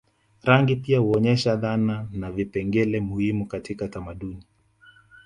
Rangi pia huonyesha dhana na vipengele muhimu katika tamaduni